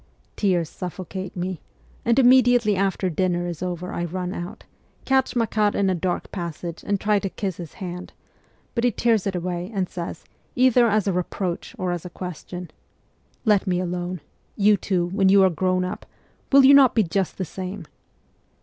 ' Tears suffocate me, and immediately after dinner is over I run out, catch Makar in a dark passage and try to kiss his hand ; but he tears it away, and says, either as a reproach or as a question, ' Let me alone ; you, too, when you are grown up, will you not be just the same